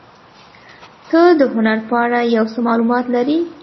ته د هنر په اړه یو څه معلومات لرې؟